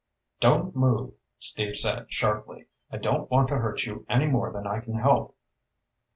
"Don't move," Steve said sharply. "I don't want to hurt you any more than I can help."